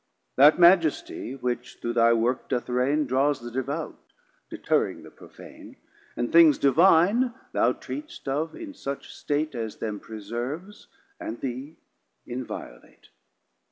That Majesty which through thy Work doth Reign Draws the Devout, deterring the Profane, And things divine thou treatst of in such state As them preserves, and thee, inviolate.